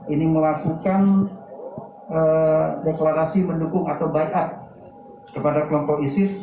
ini melakukan deklarasi mendukung atau buy up kepada kelompok isis